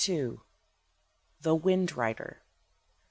THE WIND RIDER.